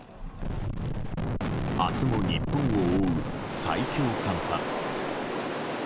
明日も日本を覆う最強寒波。